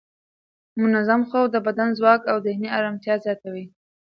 منظم خوب د بدن ځواک او ذهني ارامتیا زیاتوي.